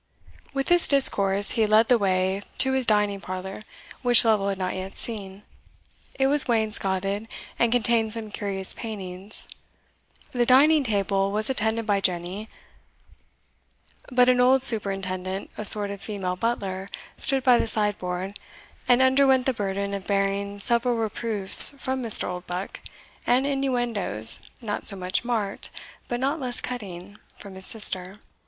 With this discourse he led the way to his dining parlour, which Lovel had not yet seen; it was wainscotted, and contained some curious paintings. The dining table was attended by Jenny; but an old superintendent, a sort of female butler, stood by the sideboard, and underwent the burden of bearing several reproofs from Mr. Oldbuck, and inuendos, not so much marked, but not less cutting, from his sister.